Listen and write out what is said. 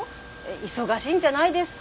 忙しいんじゃないですか？